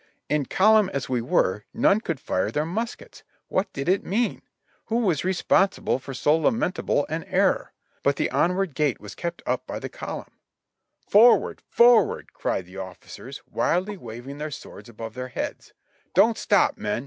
In column as we were, none could fire their muskets! What did it mean? Who was responsible for so lamentable an error? But the onward gait was kept up by the; battle of seven pines 135 the column. "Forward! Forward!" cried the officers, wildly waving their swords above their heads. "Don't stop, men!